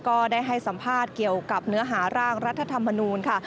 ก็ได้ให้สัมภาษณ์เกี่ยวกับเนื้อหาร่างรัฐธรรมนูลค่ะ